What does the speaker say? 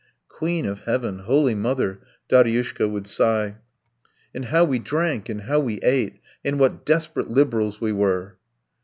"Queen of Heaven, Holy Mother..." Daryushka would sigh. "And how we drank! And how we ate! And what desperate liberals we were!"